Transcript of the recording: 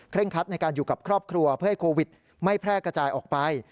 คัดในการอยู่กับครอบครัวเพื่อให้โควิดไม่แพร่กระจายออกไป